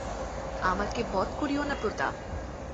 আমাকে বধ করিয়ো না প্রতাপ!